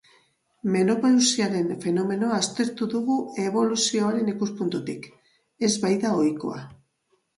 Menopausiaren femomenoa aztertu dugu eboluzioaren ikuspuntutik, ez baita ohikoa.